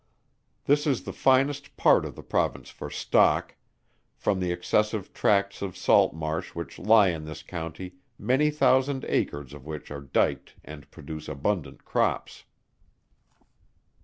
This is the finest part of the Province for stock; from the extensive tracts of salt marsh which lie in this county, many thousand acres of which are dyked and produce abundant crops.